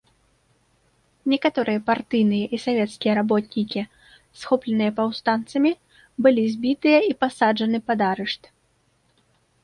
Некаторыя партыйныя і савецкія работнікі, схопленыя паўстанцамі, былі збітыя і пасаджаны пад арышт.